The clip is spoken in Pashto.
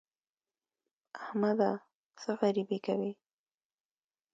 احمده! څه غريبي کوې؟